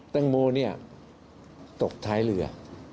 ตังโมเนี่ยตกท้ายเรือ